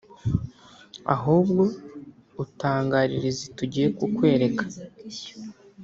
ahubwo utangarira izi tugiye kukwereka